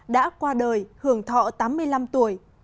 đã qua đời hưởng thọ tám mươi năm tuổi